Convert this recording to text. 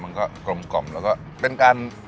มันก็กลมกล่อมแล้วก็เป็นการ